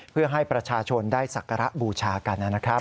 เพื่อให้ประชาชนได้สักการะบูชากันนะครับ